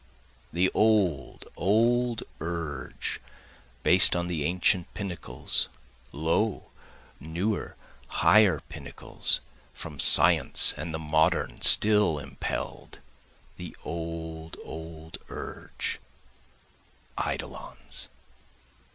The old, old urge, Based on the ancient pinnacles, lo, newer, higher pinnacles, From science and the modern still impell'd, The old, old urge, eidolons.